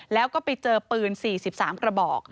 แล้วก็ไปเจอปืน๔๓กระบอก